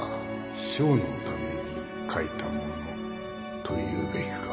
賞のために書いたものというべきか